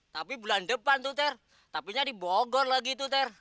tapi bulan depan tuh ter tapi nya dibogor lagi tuh ter